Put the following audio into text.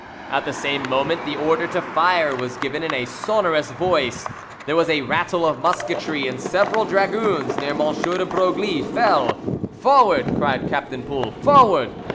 At the same moment the order to fire was given in a sonorous voice, there was a rattle of musketry, and several dragoons near M. de Broglie fell. "Forward!" cried Captain Poul, "forward!"